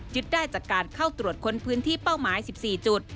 ได้จากการเข้าตรวจค้นพื้นที่เป้าหมาย๑๔จุด